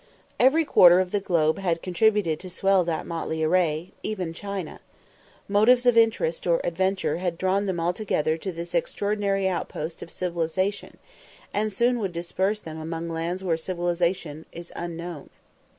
Every quarter of the globe had contributed to swell that motley array, even China. Motives of interest or adventure had drawn them all together to this extraordinary outpost of civilisation, and soon would disperse them among lands where civilisation is unknown.